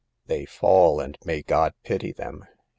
" They fall, and may God pity. them.